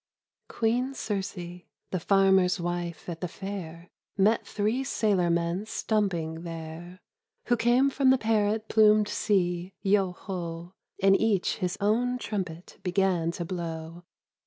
QIIEEN CIRCE, the farmer's wife at the Fair. Mot three sailor mon stumping there, Who came from the parrot plumed sea, Yeo Ho ! And each his own trumpet began to blow.